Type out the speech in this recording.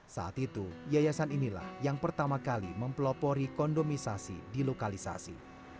saat itu yayasan inilah yang pertama kali mempelopori kondomisasi di lokalisasi